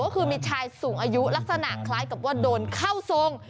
ก็คือมีชายสูงอายุลักษณะคล้ายกับว่าโดนเข้าทรง